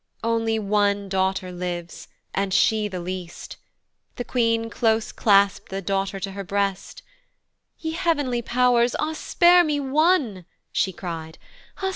One only daughter lives, and she the least; The queen close clasp'd the daughter to her breast: "Ye heav'nly pow'rs, ah spare me one," she cry'd, "Ah!